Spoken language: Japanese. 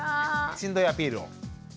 しんどいアピールを？